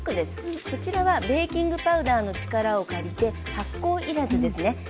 こちらはベーキングパウダーの力を借りて発酵いらずですね。